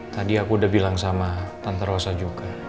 tadi aku udah bilang sama tante rosa juga